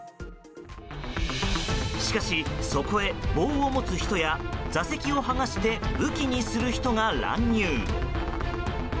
しかし、そこへ棒を持つ人や座席を剥がして武器にする人が乱入。